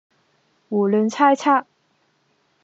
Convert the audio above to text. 胡亂猜測